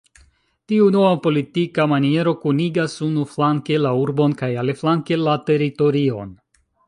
Tiu nova politika maniero, kunigas unuflanke la urbon kaj aliflanke la teritorion.